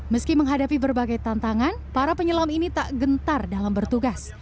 meski menghadapi berbagai tantangan para penyelam ini tak gentar dalam bertugas